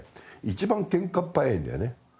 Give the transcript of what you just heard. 一番ケンカっ早いんだよね。